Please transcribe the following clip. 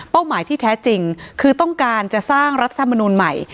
หมายที่แท้จริงคือต้องการจะสร้างรัฐธรรมนูลใหม่